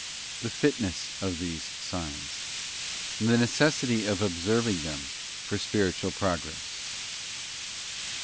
The fitness of these signs. The necessity of observing them for spiritual progress.